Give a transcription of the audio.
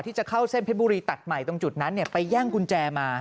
ที่จะเข้าเส้นเพชรบุรีตัดใหม่ตรงจุดนั้นไปแย่งกุญแจมา